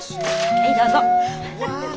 はいどうぞ。